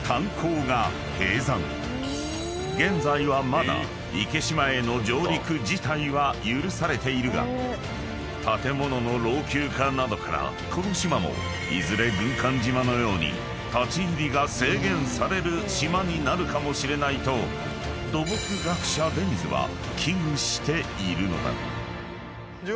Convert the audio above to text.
［現在はまだ池島への上陸自体は許されているが建物の老朽化などからこの島もいずれ軍艦島のように立ち入りが制限される島になるかもしれないと土木学者出水は危惧しているのだ］